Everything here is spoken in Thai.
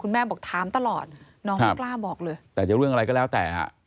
แม่บอกถามตลอดน้องไม่กล้าบอกเลยแต่จะเรื่องอะไรก็แล้วแต่ฮะ